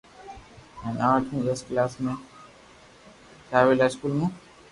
ھين آٺ مون دس ڪلاس ۾ ݾاوليلا اسڪول مون